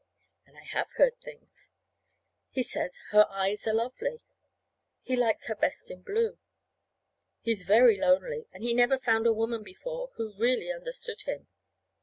And I have heard things. He says her eyes are lovely. He likes her best in blue. He's very lonely, and he never found a woman before who really understood him.